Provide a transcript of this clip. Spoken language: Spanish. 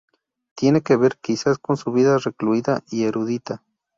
Tiene que ver, quizás, con su vida recluida y erudita.